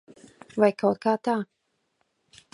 Vai kaut kā tā.